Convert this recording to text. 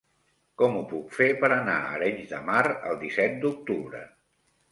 Com ho puc fer per anar a Arenys de Mar el disset d'octubre?